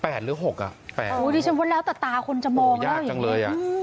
แปดหรือหกอ่ะแปดอุ้ยดิฉันว่าแล้วแต่ตาคนจะมองแล้วอย่างนี้โหยากจังเลยอ่ะ